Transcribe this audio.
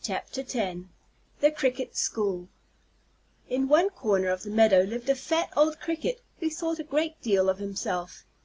THE CRICKETS' SCHOOL In one corner of the meadow lived a fat old Cricket, who thought a great deal of himself.